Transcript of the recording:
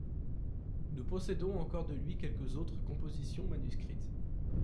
Nous possédons encore de lui quelques autres compositions manuscrites.